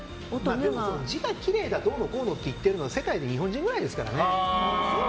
字がきれいだどうだこうだ言っているのは世界で日本人ぐらいですからね。